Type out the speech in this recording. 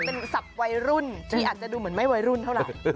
เป็นศัพท์วัยรุ่นที่อาจจะดูเหมือนไม่วัยรุ่นเท่าไหร่